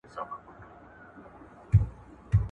• برخي وېشه، مړونه گوره.